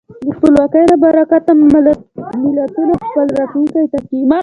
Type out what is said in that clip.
د خپلواکۍ له برکته ملتونه خپل راتلونکی ټاکي.